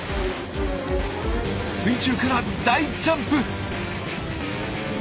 水中から大ジャンプ！